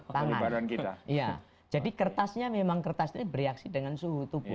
tangan iya jadi kertasnya memang kertas ini bereaksi dengan suhu tubuh